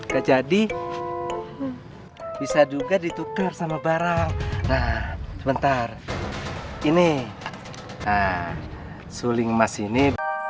ke jadi bisa juga ditukar sama barang nah bentar ini suling emas ini